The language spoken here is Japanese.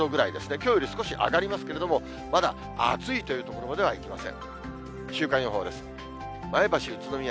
きょうより少し上がりますけれども、まだ暑いというところまではいきません。